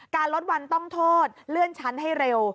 ลดวันต้องโทษเลื่อนชั้นให้เร็ว